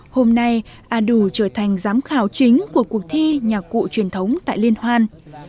hôm nay a đủ trở thành giám khảo chính của cuộc thi nhạc cụ truyền thống tại liên hoan